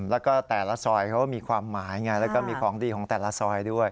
แล้วก็แต่ละซอยเขาก็มีความหมายไงแล้วก็มีของดีของแต่ละซอยด้วย